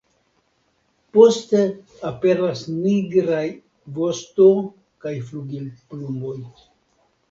Poste aperas nigraj vosto kaj flugilplumoj.